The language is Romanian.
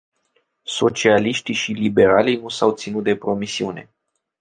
Socialiștii și liberalii nu s-au ținut de promisiune.